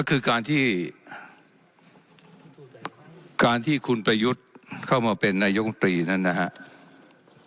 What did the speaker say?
คือการที่การที่คุณประยุทธ์เข้ามาเป็นนายกรรมตรีนั้นนะครับ